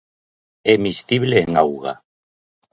É miscible en auga.